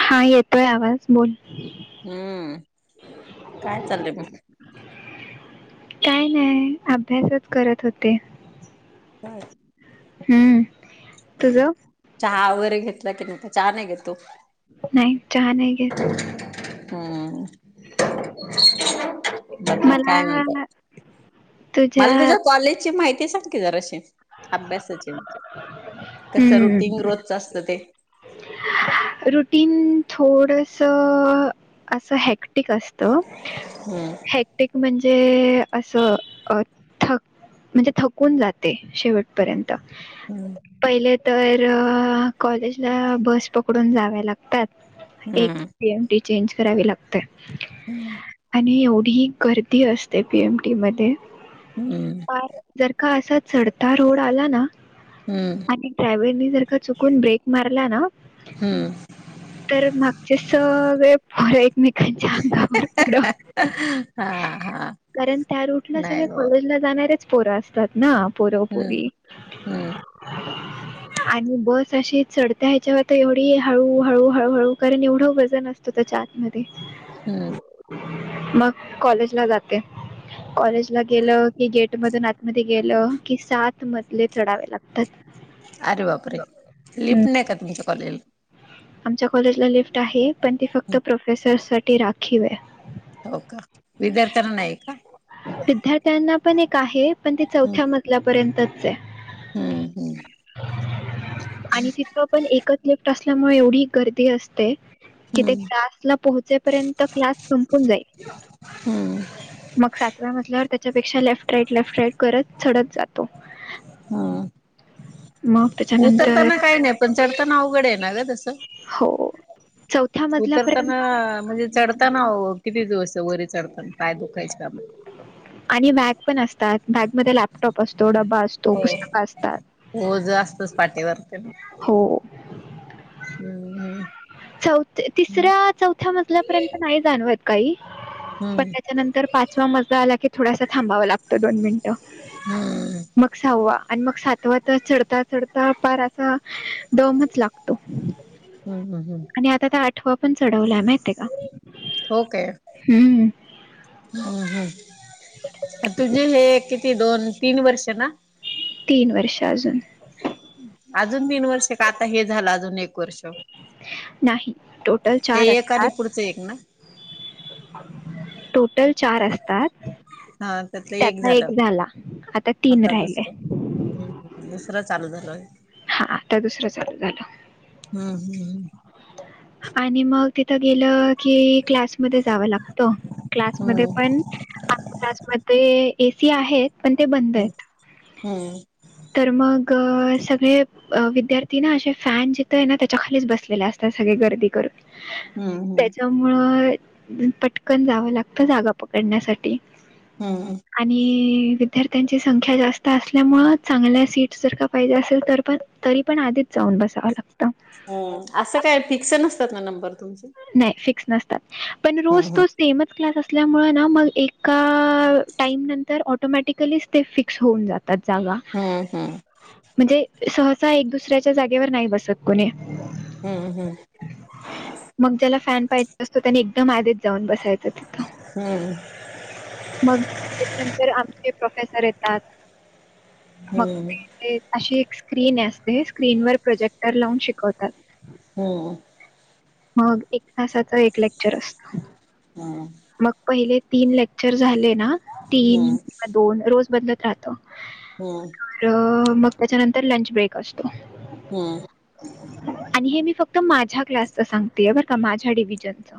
हा येतोय आवाज बोल. हम्म काय चाललंय मग. काय नाही, अभ्यासच करत होते. काय. हंम. चहा वगैरे घेतला की नाही, का चहा नाही घेत तू. नाही चहा नाही घेत. हंम. बाकी काय मला म्हणते, मला तुझ्या कॉलेजची माहिती सांग कि जराशी. अभ्यासाची, कसं रुटीन रोजच असतं ते. रुटीन थोडसं असं हॅक्ट. हॅक्टिक असत, हॅक्टिक म्हणजे असं थ. [unintelligible] म्हणजे थकून जाते शेवटपर्यंत. हम्म. पहिले तर कॉलेजला बस पकडून जावे लाग त्यात एक हम्म पीएमटी चेंज करावी लागते. हम्म. आणि एवढी गर्दी असते पीएमटी मध्ये. हम्म. जर का असा चढता रोड आला ना हम्म आणि ड्रायव्हरनी जर का चुकून ब्रेक मारला ना हम्म तर मागचे सगळे पोरं एकमेकांच्या अंगावर पुढं हा. हा कारण त्या रूटला सगळे नाही बाबा कॉलेजला जाणारे पोरं असतात ना, पोरं हम्म पोरी हम्म आणि बस अशी चढत्या ह्याच्यावर तर एवढी हळू हळू हळूहळू कारण एवढं वजन असतो त्याच्या आतमध्ये. हम्म मग कॉलेज ला जाते. कॉलेजला गेलं की, गेट मधून आतमध्ये गेलं की सात मजले चढावे लागतात. अरे बापरे, लिफ्ट नाही का तुमच्या कॉलेजला. आमच्या कॉलेज ला लिफ्ट आहे, पण ती फक्त प्रोफेसर साठी राखीव आहे. हो का. विद्यार्थ्यांना नाही का. विद्यार्थ्यांना पण एक आहे पण ती हम्म चौथ्या मजल्यापर्यंत. हम्म हम्म आणि तिथं पण एकच लिफ्ट असल्यामुळे एवढी गर्दी असते. कि ते हम्म क्लासला पोहचेपर्यंत क्लास संपून जाईल. हम्म मग सातव्या मजल्यावर त्याच्यापेक्षा लेफ्ट राईट लेफ्ट राईट करत चढत जातो. हा. मग त्याच्यानंतर उतरताना काही नाही, पण चढताना अवघड आहे ना ग तसं. हो चौथ्या उतरताना मजल्यापर्यंत म्हणजे चढ ताना किती दिवस ते वरी चढताना पाय दुखाचे काम. आणि बॅग पण असतात बॅगमध्ये लॅपटॉप असतो, डबा अस तो पुस्तक असतात, ओझ असतच पाठीवर ते ना हो. हम्म हम्म. चौथ तिसऱ्या चौथ्या मजल्यापर्यंत नाही जाणवत काही पण हम्म हम्म त्याच्यानंतर पाच वा मजला आला की थोडासा थांबावा लागतो दोन मिनिटं. हम्म मग सहावा आणि मग सातवा तर चढता चढता फार असा दमच लागतो. हम्म हम्म हम्म. आणि आता तर आठवा पण चढवला मा हो काय. हम्म हम्म ह तुझे हे किती दोन तीन वर्ष ना? तीन वर्ष अजून. अजून तीन वर्ष का आता हे झालं अजून एक वर्ष? नाही टोटल हे चार एक आणि असतात पुढचं एक ना टोटल चार असतात हा त्यातलं त्यातला झालं एक झाला आता तीन राहिले. हम्म हम्म दुसरा चालू झाला होय. हा आता दुसरं चाल झालं. हम्म हम्म हम्म. आणि मग तिथ गेलं की क्लास मध्ये जाव लागत क्लासमध्ये हम्म पण आमच्या क्लासमध्ये एसी आहेत पण ते बंदयत. हम्म. तर मग सगळे अ विद्यार्थी ना असे फॅन जिथय ना त्याच्या खालीच बसलेले असतात सगळे गर्दी करून. हम्म हम्म. त्यामुळं पटकन जावं लागतं जागा पकडण्यासाठी. हम्म. आणि विद्यार्थ्यांची संख्या जास्त अस आसल्यामुळं चांगल्या सीट्स जर का पाहिजे असेल तर पण तरी पण आधीच जाऊन बसावं लागत. हं असं काय फिक्स नसतात ना नंबर तुमचे? नाही फिक्स नसतात पण रोज हम्म तोच सेमच क्लास असल्यामुळं ना मग एका टाईम नंतर ऑटोमॅटिकलीच ते फिक्स होऊन जाता त जागा. हम्म हम्म. म्हणजे सहसा एक दुसऱ्याच्या जागेवर नाही बसत कोणी. हम्म हम्म. मग ज्याला फॅन पाहिजे असतो त्याने एकदम आधीच जाऊन बसायचं तिथं. हम्म. मग त्याच्यानंतर आमचे प्रोफेसर येतात मग हम्म हम्म ते ते अशी एक स्क्रीन असते स्क्रीन वर प्रोजेक्टर लावून शिकवतात. हम्म. मग एक तासाच एक लेक्चर असत. हम्म. मग पहिले तीन लेक्चर झाले ना तीन हम्म हम्म दोन रोज बदलत राहतं. हम्म तर मग त्याच्यानंतर लंच ब्रेक असतो. हम्म आणि हे मी फक्त माझ्या क्लासच सांगते बरं का माझ्या डिवीजनच.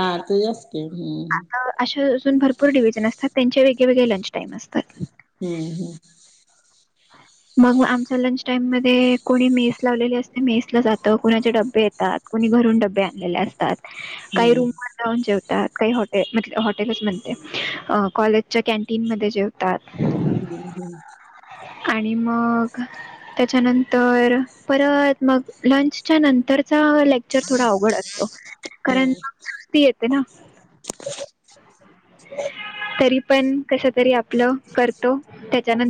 हा तुझ्याच की, हम्म आता अशा अजून भरपूर डिव्हिजन असतात त्यांचे वगळेवेगळे लंच टाइम असतात. हम्म हम्म. मग आमच्या लंच टाईम मध्ये कोणी मेस लावलेले असते, मेस ला जातं कुणाचे डबे येतात. कोणी घरून डबे आणलेले असतात काही हम्म रूम वरून जेवतात काही हॉटे हॉटेलच म्हणते कॉलेजच्या कॅनटीनमध्येध्ये जेवतात. हम्म हम्म. आणि मग. त्याच्यानंतर परत मग लंचच्या नंतरचा लाईक विचार थोडा अवघड असतं कारण हम्म ती येते ना [inaudible] तरी पण कसं तरी आपलं करतो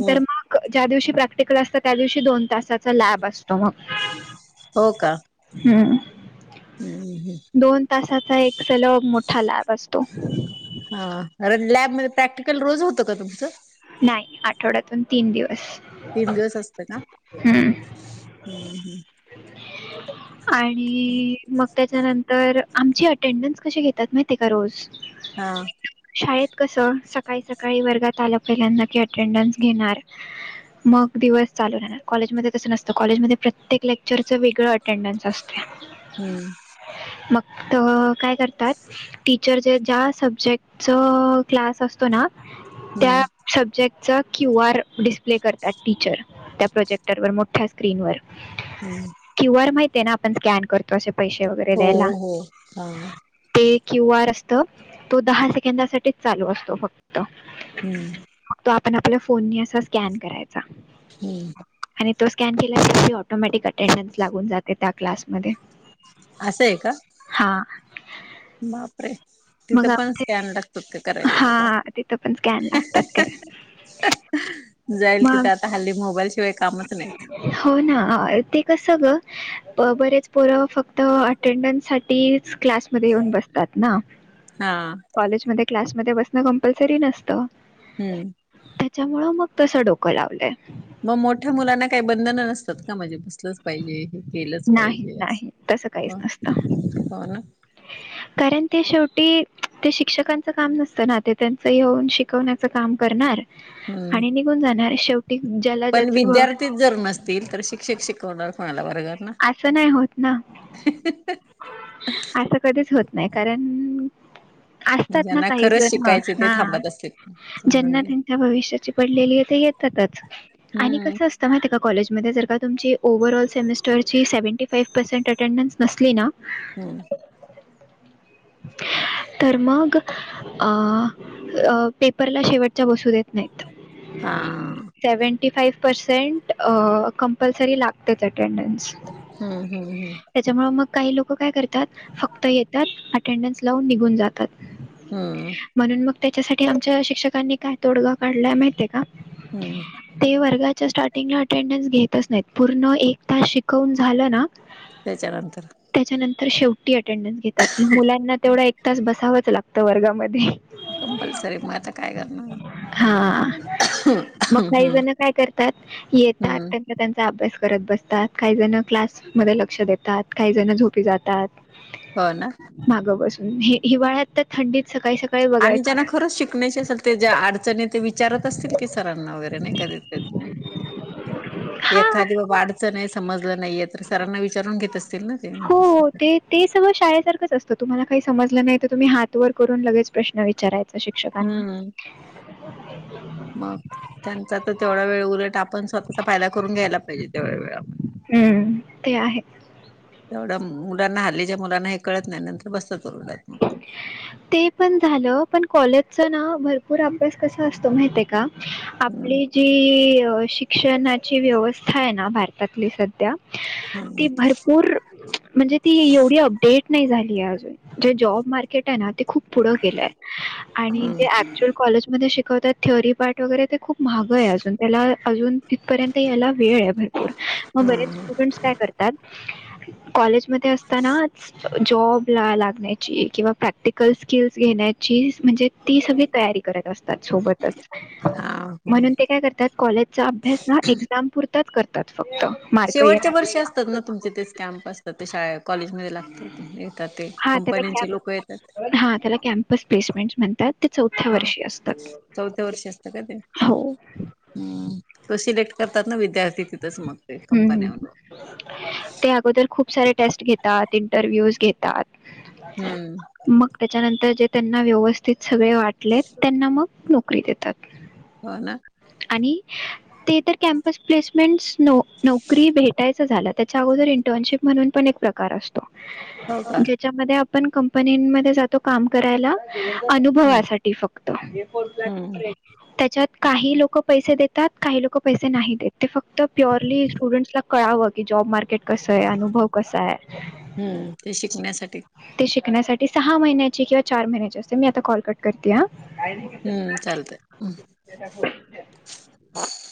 हम्म मग, ज्या दिवशी प्रॅक्टिकल असत त्या दिवशी दोन तासाचा लॅब असतो मग. हो का. हम्म. हम्म हम्म. दोन तासाचा एक सलग मोठा लॅब असतो. हा अरे लॅबमध्येध्ये प्रॅक्टिकल रोज होतं का तुमचं. नाही आठवड्यातुन तीन दिवस. तीन दिवस असत का हम्म हम्म. आणि मग. त्याच्यानंतर आमची अटेंडन्स कशी घेतात माहिती का रोज. हा. शाळेत कसं सकाळी वर्गात आलं पहिल्यांदा की अटेंडन्स घेणार. मग दिवस चालू राहणार, कॉलेज मध्ये तस नसतं कॉलेजमध्ये प्रत्येक लेक्चरचं वेगळं अटेंडन्स असते. हम्म. मग त काय करतात. टीचर जा सब्जेक्ट क्लास असतो ना त्या. हम्म सब्जेक्टचा क्यू आर डिस्प्ले करता टीचर. त्या प्रोजेक्टर व मोठ्या स्क्रीन वर. हम्म हम्म. क्यू आर माहिती आहे ना, आपण स्कॅन करतो पैसे वगैरे हो द्यायला. हो हा ते क्यू आर असत तो दहा सेकंदासाठीच चालू असतो फक्त. हम्म हम्म. तो आपण आपल्या फोन असा स्कॅन करायचा. हम्म. आणि तो स्कॅन केल्या ऑटोमॅटिक अटेडन्स लागून जाते त्या क्लासमध्ये. असं आहे का हा बापरे. तिथं मग पण आमचे स्कॅन लागतात का करायला बाबा. हा तिथं पण स्कॅन लागतात काय जाईल मग तिथे आता हल्ली मोबाईल शिवाय कामच नाहीत. हो ना ते कसं ग. बरेच पोर फक्त अटेंडनस साठी क्लास. मध्ये येऊन बसतात ना, हा कॉलेज मध्ये क्लासमध्ये बसण कंपल्सरी नसतं. हम्म. त्याच्यामुळं मग तसं डोकं लावलंय. मग मोठ्या मुलांना काही बंधन नसतात का म्हणजे बसलंच पाहिजे. हे केलंच नाही पाहिजे नाही असं हो ना. ए य [inaudible] कारण ते शेवटी ते शिक्षकांचे काम नसतं ना ते त्यांचं येऊन शिकवण्याचं काम करणार. हम्म आणि निघून जाणार शेवटी ज्याला पण ज्याचं भ विद्यार्थीच जर नसतील तर शिक्षक शिकवणार कुणाला वर्गात ना, असं नाही होत ना, असं कधी होत नाही कारण- असतात ना ज्यांना खरंच काहीजण शिकायचे मग ते थांबत असतील समजून ज्यांना घे त्यांच्या भविष्याची पडलेली ए ते येतातच आणि हम्म कसं असतं. माहितीये का कॉलेजमध्ये जर का तुमची ओव्हर ऑल सेमिस्टर- ची सेवेने पाय पर्सेंट अटेंडन्स नसली ना, हम्म लवकर भेटू [inaudible] तर मग अ अ पेपरला शेवटच्या बसू देत नाही. हा नाहीत. सेवेनटी फाय पर्सेंट अ कंपल्सरी लागतेच अटेंडन्स, हम्म हम्म हम्म त्यांच्यामुळे मग काही लोक काय करतात फक्त येतात अटेंडन्स लावून निघून जातात. हम्म म्हणून मग त्यांच्यासाठी आमच्या शिक्षकांनी काय तोडगा काढलाय माहितीये का? हम्म ते वर्गाच्या स्टार्टिंग ला अटेंडन्स घेतच नाहीत पूर्ण एक तास शिकवू- कवुन झालं ना, त्याच्या नंतर त्याच्यानंतर शेवटी अटेंडन्स घेतात, मग मुलांना तेवढं एक तास बसावच लागतं वर्गामध्ये. कंपल्सरी येत मग आता काय करणार. हा मग हम्म काही हम्म जण काय करतात येतात, हम्म त्यांचा अभ्यास करत बसतात, काहीजण क्लासमध्ये लक्ष देतात काही जण झोपी जातात. हो ना मागं बसून ही हिवाळ्यात तर थंडीत सकाळी सकाळी, आणि बघायचं ज्यांना खरंच शिकण्याची सध्या ज्या अडचणी ए ते विचारत असतील की सरांना नाही कधी तर- हू [inaudible] एखादी बाबा अडचणे समजलं नाहीये तर सरांना विचारून घेत असतील ना. ते हो ते- ते सगळं शाळेसारखच असतं तुम्हाला काही समजलं नाही तर तुम्ही हात वर करून लगेच प्रश्न विचारायचा शिक- हम्म [inaudible] मग त्यांचा तर तेवढा वेळ उलट आपण स्वतःचा फायदा करून घ्यायला पाहिजे तेवढा वेळ, हम्म ते आहे. एवढा मुलांना हल्लीच्या मुलांना हे कळत नाय नंतर बसतात ओरडत मग ते पण झालं पण कॉलेजचं ना भरपूर अभ्यास कसा असतो माहितीये का? हम्म आपली जी अ शिक्षणाची व्यवस्था आहेना भारतातली स ध्या ती भरपूर म्हणजे ती, एवढी अपडेट नाही झाली अजून जे जॉब मार्केट आहेना ते खूप पुढे गेलंय, आणि ते हम्म ऍक्चुअल कॉलेजमध्ये शिक शिकवतात थेअरी पार्ट वगैरे ते खूप मागं आहे अजून, त्याला अजून तिथपर्यंत यायला वेळ आहे भरपूर म बरेच स्टुडंट्स काय करतात कॉलेजमध्ये असतानाच जॉबला लाग ण्याची किंवा प्रॅक्टिकल स्किल घेण्याची म्हणजे ती सगळी तयारी करत असतात सोबतच, हा ह म्हणून ते काय करतात कॉलेज चा अभ्यास ना एक्झाम पुरताच करतात फक्त. मार्क शेवटचे येण्या वर्ष असतात ना तुमचे ते स्कॅम्प असतात, ते शाळेत कॉलेजमध्ये लागतात ते. ते हां त्याला कंपन्यांचे लोक येतात. कॅम्प हां त्याला कॅम्पस प्लेसमेंट म्हणतात, ते चौथ्या हा वर्षी असतं चौथ्या हो. हंम तो सिलेक्ट करतात ना, विद्यार्थी तिथंच मग ते हं, हं. कंपन्यावर ते अगोदर खूप सारे टेस्ट घेतात, इंटरव्ह्यूज घेतात. हम्म. मग त्याच्यानंतर जे त्यांना व्यवस्थित सगळे वाटलेत, त्यांना मग नोकरी देतात. हो ना. आणि ते तर कॅम्पस प्लेस मीन्स नो नोकरी भेटायच झालं, त्याच्या अगोदर इंटर्नशिप म्हणून पण एक प्र कार असतो हो का ज्याच्या मध्ये आपण कंपनींमध्ये मध्ये जातो, काम करायला हम्म अनुभवासाठी फक्त. हम्म त्याच्यात काही लोक पैसे देतात, काही लोक पैसे नाही देत ते फक् त प्युअर्ली स्टुडंट्सला कळावं की जॉब मार्केट कसा आहे, अनुभव कसा आहे. हम्म ते शिकण्यासाठी ते शिकण्यासाठी सहा महिन्याची किवा चार महिन्याची असते, मी आता कॉल कट करते हा. हम्म चालतंय [unintelligible]